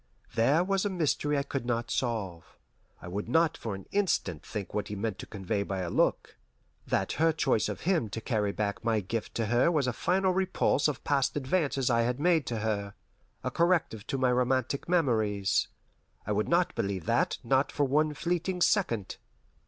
There was a mystery I could not solve. I would not for an instant think what he meant to convey by a look that her choice of him to carry back my gift to her was a final repulse of past advances I had made to her, a corrective to my romantic memories. I would not believe that, not for one fleeting second.